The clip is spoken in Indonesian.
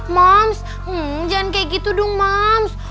mams jangan kayak gitu dong mams